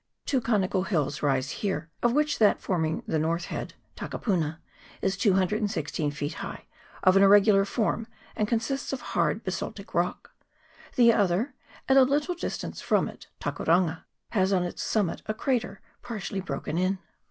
Two conical hills rise here,, of which that forming the north head r Takapuna, is 216 feet high, of an irregular form, and consists of a hard basaltic rock ; the other, at a little distance from it, Takarunga, has on its summit a crater, par tially broken in.